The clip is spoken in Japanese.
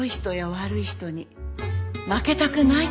悪い人に負けたくない。